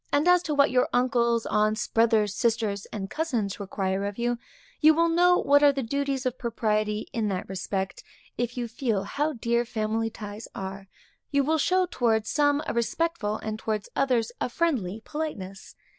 As to what your uncles, aunts, brothers, sisters, and cousins require of you, you will know what are the duties of propriety in that respect, if you feel how dear family ties are; you will show towards some a respectful, and towards the others a friendly politeness.